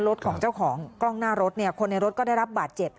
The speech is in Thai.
รถของเจ้าของกล้องหน้ารถเนี่ยคนในรถก็ได้รับบาดเจ็บ